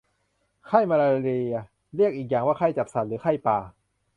ไข้มาลาเรีย เรียกอีกอย่างว่าไข้จับสั่น หรือไข้ป่า